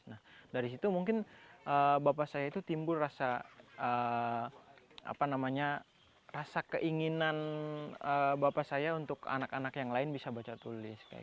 nah dari situ mungkin bapak saya itu timbul rasa keinginan bapak saya untuk anak anak yang lain bisa baca tulis